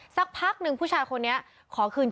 สักพักหนึ่งผู้ชายคนนี้ขอคืน